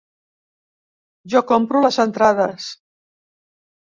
Jo compro les entrades.